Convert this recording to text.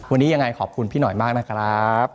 วันนี้ยังไงขอบคุณพี่หน่อยมากนะครับ